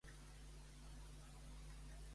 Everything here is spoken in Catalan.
Publica a l'estat de Facebook "embarassada de nou".